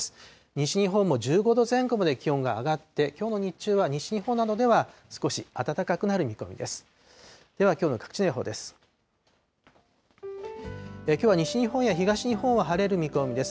西日本も１５度前後まで気温が上がって、きょうの日中は西日本などでは、少し暖かくなる見込みです。